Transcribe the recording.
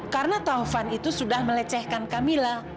karena taufan itu sudah melecehkan kamilah